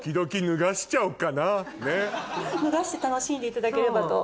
脱がして楽しんでいただければと。